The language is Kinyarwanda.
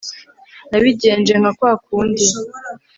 nabigenje nka kwa kundi